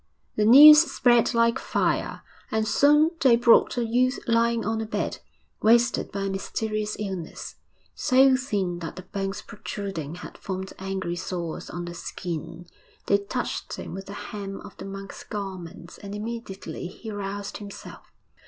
The news spread like fire; and soon they brought a youth lying on a bed, wasted by a mysterious illness, so thin that the bones protruding had formed angry sores on the skin. They touched him with the hem of the monk's garment, and immediately he roused himself.